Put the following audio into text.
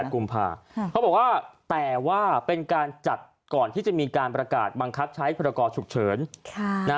กุมภาเขาบอกว่าแต่ว่าเป็นการจัดก่อนที่จะมีการประกาศบังคับใช้พรกรฉุกเฉิน